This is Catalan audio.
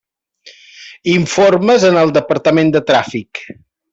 Informes en el departament de tràfic.